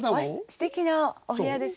すてきなお部屋ですね。